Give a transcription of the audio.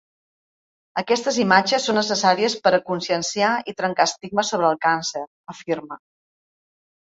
«Aquestes imatges són necessàries per a conscienciar i trencar estigmes sobre el càncer», afirma.